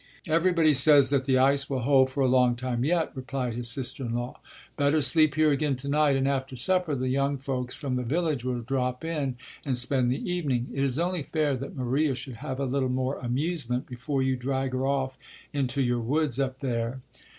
'" "Everybody says that the ice will hold for a long time yet," replied his sister in law. "Better sleep here again to night, and after supper the young folks from the village will drop in and spend the evening. It is only fair that Maria should have a little more amusement before you drag her off into your woods up there."